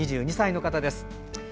２２歳の方です。